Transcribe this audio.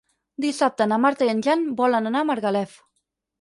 Dissabte na Marta i en Jan volen anar a Margalef.